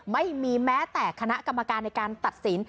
ไม่มีแม้แต่คณะกรรมการในการตัดสิน